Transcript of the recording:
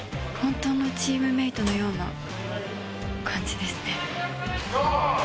本当のチームメートのような感じですね・